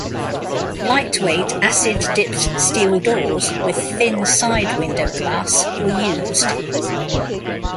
Lightweight acid dipped steel doors with thin side window glass were used.